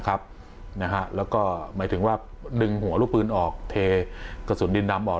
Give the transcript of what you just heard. แล้วก็หมายถึงว่าดึงหัวลูกปืนออกเทกระสุนดินดำออก